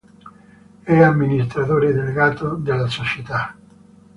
È amministratore delegato della società.